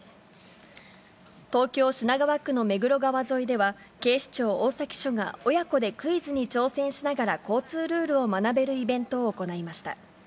東京・品川区の目黒川沿いでは、警視庁大崎署が、親子でクイズに挑戦しながら交通ルールを学べるイベントを行いました。